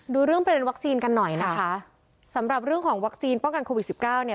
ดูเรื่องประเด็นวัคซีนกันหน่อยนะคะสำหรับเรื่องของวัคซีนป้องกันโควิดสิบเก้าเนี่ย